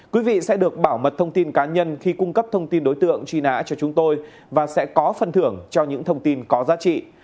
quý vị sẽ được bảo mật thông tin cá nhân khi cung cấp thông tin đối tượng truy nã cho chúng tôi và sẽ có phần thưởng cho những thông tin có giá trị